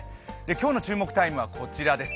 今日の注目タイムはこちらです。